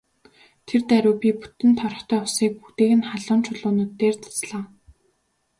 Тэр даруй би бүтэн торхтой усыг бүгдийг нь халуун чулуунууд дээр цацлаа.